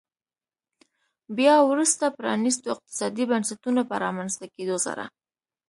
بیا وروسته پرانیستو اقتصادي بنسټونو په رامنځته کېدو سره.